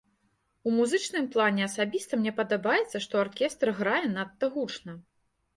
У музычным плане асабіста мне падаецца, што аркестр грае надта гучна.